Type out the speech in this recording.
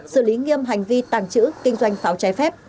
xử lý nghiêm hành vi tàng trữ kinh doanh pháo trái phép